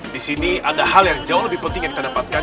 di sini ada hal yang jauh lebih penting yang kita dapatkan